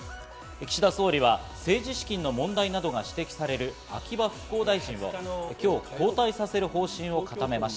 岸田総理は政治資金の問題などが指摘される秋葉復興大臣をきょう交代させる方針を固めました。